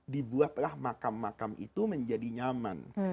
dibuatlah makam makam itu menjadi nyaman